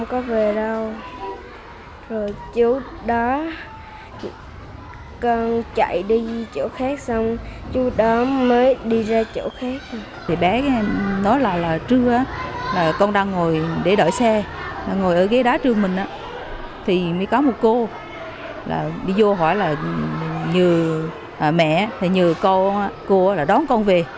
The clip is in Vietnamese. con chạy đi chỗ khác xong chú đó mới đi ra chỗ khác